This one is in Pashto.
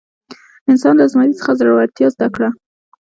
انسان له زمري څخه زړورتیا زده کړه.